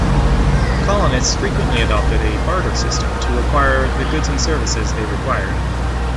Colonists frequently adopted a barter system to acquire the goods and services they required.